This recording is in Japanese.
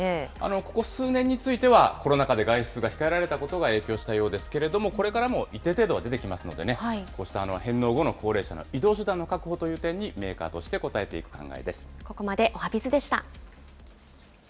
ここ数年については、コロナ禍で外出が控えられたことが影響したようですけれども、これからも一定程度は出てきますので、こうした返納後の高齢者の移動手段の確保という点に、メーカーとここまでおはＢｉｚでした。